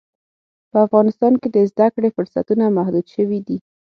په افغانستان کې د زده کړې فرصتونه محدود شوي دي.